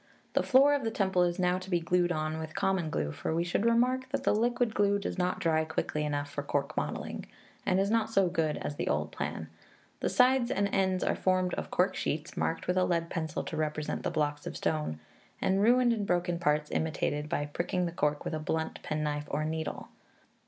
The floor of the temple is now to be glued on with common glue, for we should remark that the liquid glue does not dry quickly enough for cork modelling, and is not so good as the old plan; the sides and ends are formed of cork sheets, marked with a lead pencil to represent the blocks of stone; and ruined and broken parts imitated, by pricking the cork with a blunt penknife or needle.